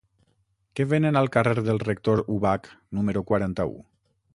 Què venen al carrer del Rector Ubach número quaranta-u?